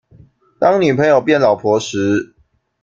當女朋友變老婆時